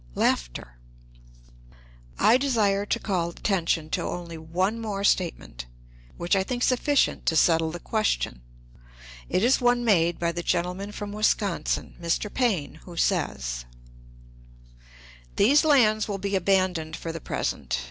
I desire to call attention to only one more statement, which I think sufficient to settle the question. It is one made by the gentleman from Wisconsin (Mr. Paine), who says: "These lands will be abandoned for the present.